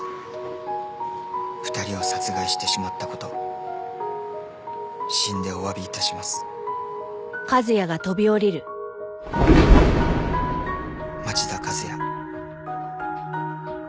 「二人を殺害してしまったこと死んでお詫び致します」「町田和也」